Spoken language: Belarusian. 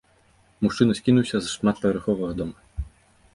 Мужчына скінуўся з шматпавярховага дома.